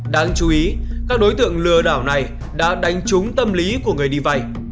đáng chú ý các đối tượng lừa đảo này đã đánh trúng tâm lý của người đi vay